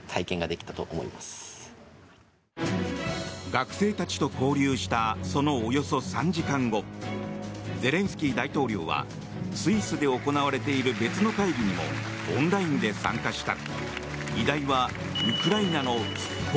学生たちと交流したそのおよそ３時間後ゼレンスキー大統領はスイスで行われている別の会議にもオンラインで参加した。